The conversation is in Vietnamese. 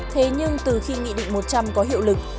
thế nhưng từ khi nghị định một trăm linh có hiệu lực